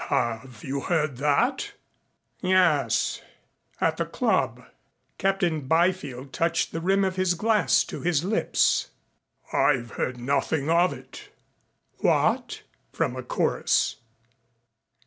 "Have you heard that?" "Yes. At the club." Captain Byfield touched the rim of his glass to his lips. "I've heard nothing of it." "What?" from a chorus.